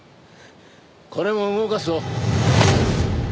これも動かすぞ。